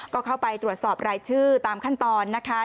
ก็เข้าไปตรวจสอบรายชื่อตามขั้นตอนนะคะ